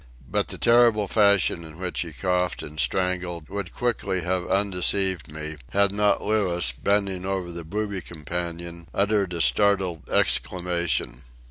But the terrible fashion in which he coughed and strangled would quickly have undeceived me, had not Louis, bending over the booby companion, uttered a startled exclamation.